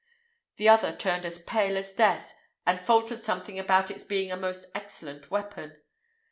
The other turned as pale as death, and faltered something about its being a most excellent weapon.